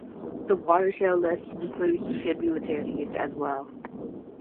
The watershed list includes tributaries as well.